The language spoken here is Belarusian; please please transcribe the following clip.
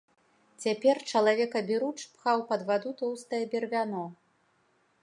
Цяпер чалавек аберуч пхаў пад ваду тоўстае бервяно.